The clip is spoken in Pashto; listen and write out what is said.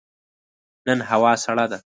نن هوا سړه ده.